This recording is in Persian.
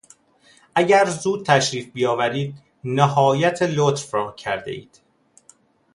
اگر زود تشریف بیاورید نهایت لطف را کردهاید.